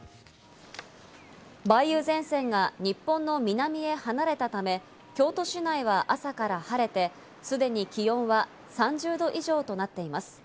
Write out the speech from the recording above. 梅雨前線が日本の南へ離れたため、京都市内は朝から晴れて、既に気温は３０度以上となっています。